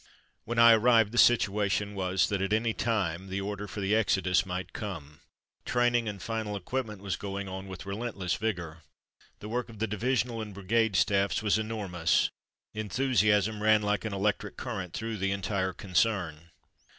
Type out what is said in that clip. When I arrived, the situation was that at any time the order for the exodus might come. Training and final equipment was going on with relentless vigour. The work of the divisional and brigade staffs was enormous Enthusiasm ran like an electric current through the entire concern.